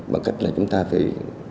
bằng cách là chúng ta phải